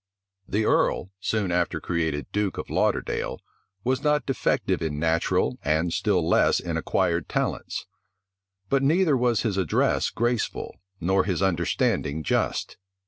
The earl, soon after created duke of Lauderdale, was not defective in natural, and still less in acquired talents; but neither was his address graceful, nor his understanding just.